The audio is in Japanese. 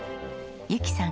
由紀さん